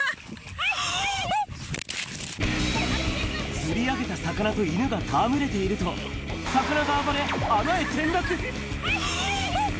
釣り上げた魚と犬が戯れていると、魚が暴れ、穴へ転落。